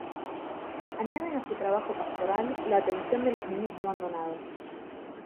Añaden a su trabajo pastoral la atención de los niños abandonados.